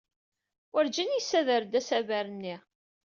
Werjin yessader-d asaber-nni.